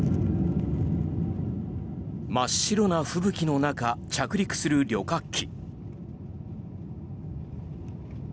真っ白な吹雪の中着陸する旅客機。